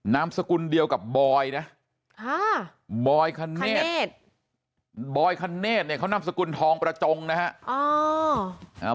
น้ำสกุลเดียวกับบอยนะบอยคเนทเขาน้ำสกุลทองประจงนะฮะ